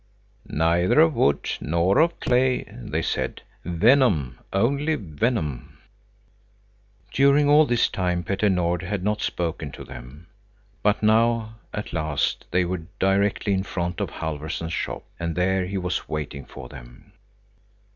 "Neither of wood nor of clay," they said,—"venom, only venom." During all this time Petter Nord had not spoken to them, but now, at last, they were directly in front of Halfvorson's shop, and there he was waiting for them.